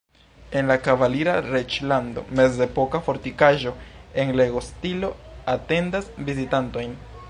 En la "kavalira reĝlando" mezepoka fortikaĵo en Lego-stilo atendas vizitantojn.